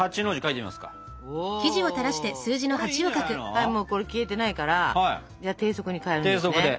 はいこれもう消えてないからじゃあ低速に変えるんですね。